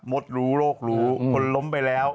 รู้โรครู้คนล้มไปแล้ว